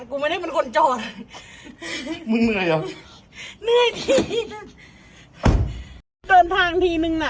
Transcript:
กูไม่ได้เป็นคนจอดมึงเหนื่อยหรอเหนื่อยทีเดินทางทีนึงน่ะ